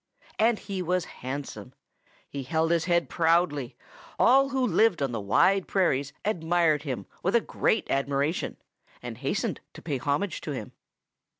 And he was handsome. He held his head proudly. All who lived on the Wide Prairies admired him with a great admiration and hastened to pay homage to him.